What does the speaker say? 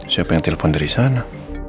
siapa yang telepon dari sana